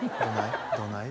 どない？